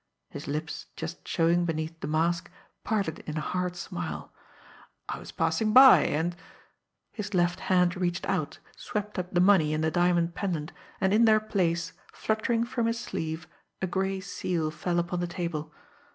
His lips, just showing beneath the mask, parted in a hard smile. "I was passing by, and " His left hand reached out, swept up the money and the diamond pendant and in their place, fluttering from his sleeve, a gray seal fell upon the table.